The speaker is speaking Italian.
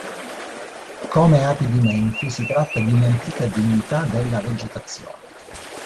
Come Api di Menfi si tratta di un'antica divinità della vegetazione.